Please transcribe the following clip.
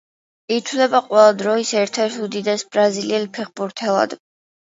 ითვლება ყველა დროის ერთ-ერთ უდიდეს ბრაზილიელ ფეხბურთელად.